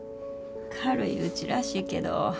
軽いうちらしいけど。